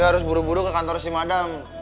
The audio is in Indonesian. ya harus buru buru ke kantor si madang